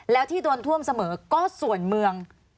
แล้วที่โดนท่วมเสมอก็ส่วนเมือง